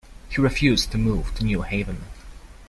He refused to move to New Haven.